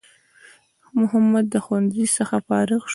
محمد د ښوونځی څخه فارغ سو